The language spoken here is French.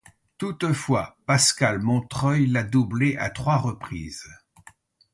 Toutefois, Pascale Montreuil l'a doublée à trois reprises.